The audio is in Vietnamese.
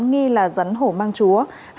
nghi là rắn hổ mang chúa